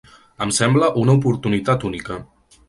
Em sembla una oportunitat única.